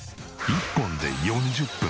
１本で４０分。